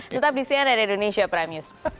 tetap di sian dari indonesia prime news